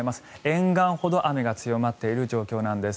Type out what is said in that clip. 沿岸ほど雨が強まっている状況です。